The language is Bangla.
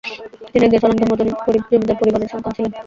তিনি একজন স্বনামধন্য জমিদার পরিবারের সন্তান ছিলেন।